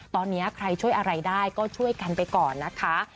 ตอนนี้ใครช่วยอะไรได้ก็ช่วยกันไปก่อนนะคะ